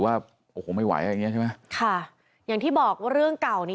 ว่าโอ้โหไม่ไหวอย่างเงี้ใช่ไหมค่ะอย่างที่บอกว่าเรื่องเก่านี้